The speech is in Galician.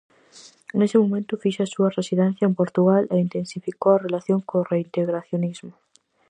Nese momento fixa a súa residencia en Portugal e intensificou a relación co reintegracionismo.